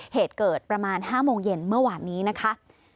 เหตุเกิดประมาณ๕โมงเย็นเมื่อวานนี้นะคะ